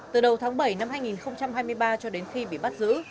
từ đầu tháng bảy năm hai nghìn hai mươi ba cho đến khi bị bắt giữ